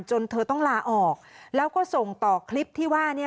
เธอต้องลาออกแล้วก็ส่งต่อคลิปที่ว่า